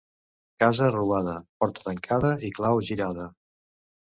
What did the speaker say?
Casa robada, porta tancada i clau girada.